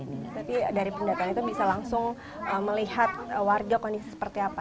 berarti dari pendataan itu bisa langsung melihat warga kondisi seperti apa